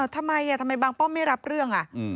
ทำไมทำไมบางป้อมไม่รับเรื่อง